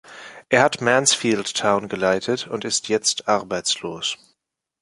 Er hat Mansfield Town geleitet und ist jetzt arbeitslos.